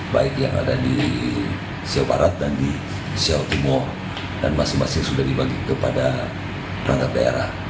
baik yang ada di jawa barat dan di jawa timur dan masing masing sudah dibagi kepada perangkat daerah